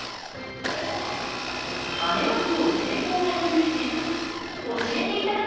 タネまきを成功させる秘けつ教えて頂きましょう。